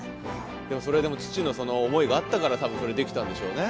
それでも父の思いがあったから多分それできたんでしょうね。